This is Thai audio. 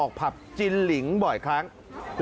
ขอโทษครับ